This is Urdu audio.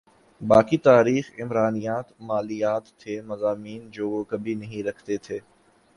باقی تاریخ عمرانیات مالیات تھے مضامین جو وہ کبھی نہیں رکھتے تھے